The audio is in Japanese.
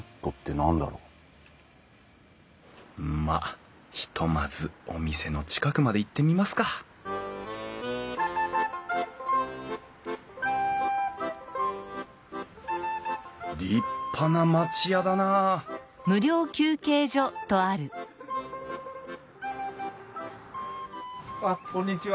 まあひとまずお店の近くまで行ってみますか立派な町屋だなああっこんにちは。